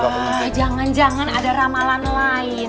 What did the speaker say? ya jangan jangan ada ramalan lain